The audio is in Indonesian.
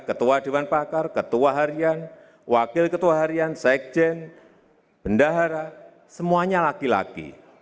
ketua dewan pakar ketua harian wakil ketua harian sekjen bendahara semuanya laki laki